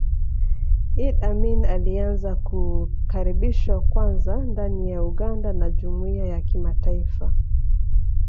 Idi Amin alianza kukaribishwa kwanza ndani ya Uganda na jumuiya ya kimataifa